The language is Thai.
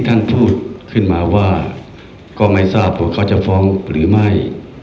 ท่านพูดขึ้นมาว่าก็ไม่ทราบว่าเขาจะฟ้องหรือไม่